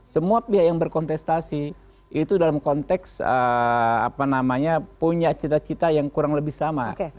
semua pihak yang berkontestasi itu dalam konteks punya cita cita yang kurang lebih sama